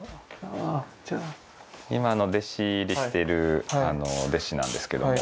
今の弟子入りしてる弟子なんですけども。